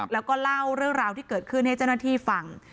แล้วก็เล่าเรื่องราวที่เกิดขึ้นให้เจ้าหน้าที่ฟัง